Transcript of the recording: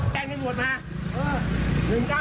ไทนงี้เดี๋ยวขี้แผ่งไว้